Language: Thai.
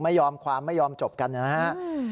ไม่ยอมความไม่ยอมจบกันนะครับ